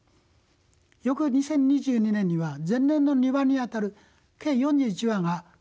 翌２０２２年には前年の２倍にあたる計４１羽が繁殖しました。